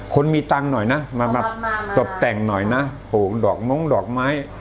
คนมีตังค์หน่อยนะมาตบแต่งหน่อยนะปลูกดอกม้งดอกไม้